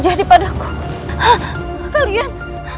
tidak ada aku kalian